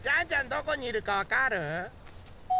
どこにいるかわかる？